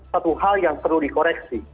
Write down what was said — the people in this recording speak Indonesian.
satu hal yang perlu dikoreksi